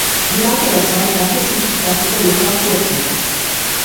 Im Laufe der Zeit wandte sie sich ganz der Literatur zu.